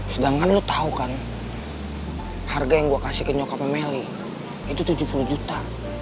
sedangkan lo tahu kan harga yang gue kasih ke nyokapmelly itu tujuh puluh juta